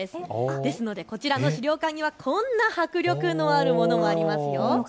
ですのでこちらの資料館にはこんな迫力もあるものもありますよ。